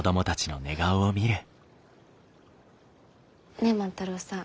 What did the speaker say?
ねえ万太郎さん